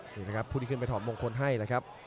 นี่นะครับพูดขึ้นไปถอบมงคลให้เลยครับ